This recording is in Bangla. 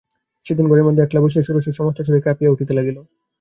সেদিন ঘরের মধ্যে একলা বসিয়া ষোড়শীর সমস্ত শরীর কাঁপিয়া উঠিতে লাগিল।